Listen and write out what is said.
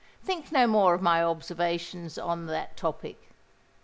Think no more of my observations on that topic.